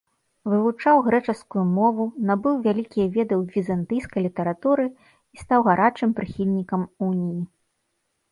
Вывучаў грэчаскую мову набыў вялікія веды ў візантыйскай літаратуры і стаў гарачым прыхільнікам уніі.